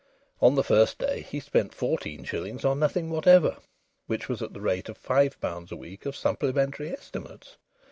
On the first day he spent fourteen shillings on nothing whatever which was at the rate of five pounds a week of supplementary estimates!